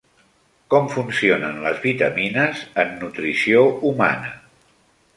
Com funcionen les vitamines en nutrició humana?